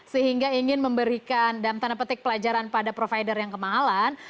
sehingga ingin memberikan dalam tanda petik pelajaran pada provider yang kemahalan